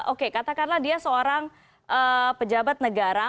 oke katakanlah dia seorang pejabat negara